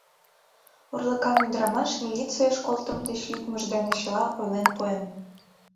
Орлыкан ӱдырамаш милицийыш колтымо деч лӱдмыж дене чыла ойлен пуэн.